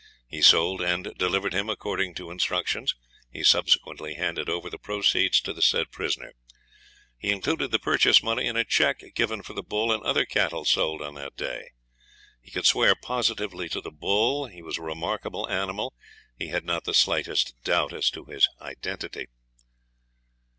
He sold and delivered him according to instructions. He subsequently handed over the proceeds to the said prisoner. He included the purchase money in a cheque given for the bull and other cattle sold on that day. He could swear positively to the bull; he was a remarkable animal. He had not the slightest doubt as to his identity.